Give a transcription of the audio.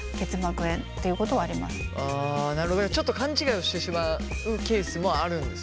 ちょっと勘ちがいをしてしまうケースもあるんですね。